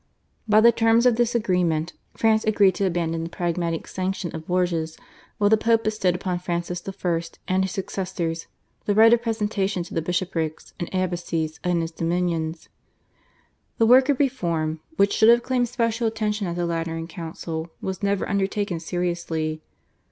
By the terms of this agreement France agreed to abandon the Pragmatic Sanction of Bourges, while the Pope bestowed upon Francis I. and his successors the right of presentation to the bishoprics and abbacies in his dominions. The work of reform, which should have claimed special attention at the Lateran Council, was never undertaken seriously.